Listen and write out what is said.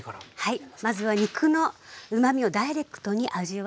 はい。